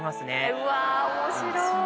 うわ面白い。